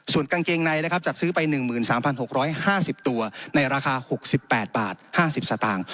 ส่วนกางเกงในนะครับจัดซื้อไป๑๓๖๕๐ตัวในราคา๖๘บาท๕๐สตางค์